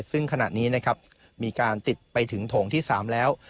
ซึ่งขนาดนี้มีการติดไปถึงถงที่๓แล้ว